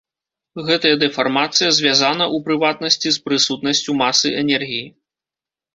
Гэтая дэфармацыя звязана, у прыватнасці, з прысутнасцю масы-энергіі.